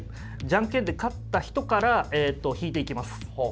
じゃんけんで勝った人から引いていきます。